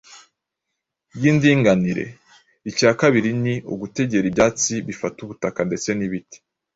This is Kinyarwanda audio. y’indinganire. Icya kabiri ni ugutera ibyatsi bifata ubutaka ndetse n’ibiti